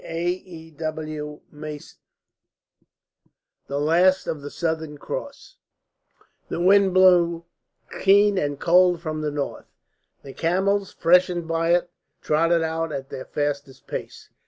CHAPTER XXX THE LAST OF THE SOUTHERN CROSS The wind blew keen and cold from the north. The camels, freshened by it, trotted out at their fastest pace.